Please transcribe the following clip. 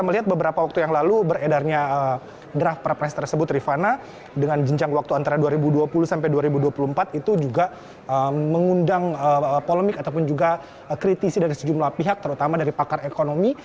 kita melihat beberapa waktu yang lalu beredarnya draft perpres tersebut rifana dengan jenjang waktu antara dua ribu dua puluh sampai dua ribu dua puluh empat itu juga mengundang polemik ataupun juga kritisi dari sejumlah pihak terutama dari pakar ekonomi